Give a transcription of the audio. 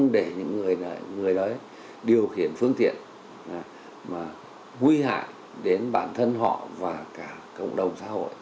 điều khiển phương tiện mà huy hạ đến bản thân họ và cả cộng đồng xã hội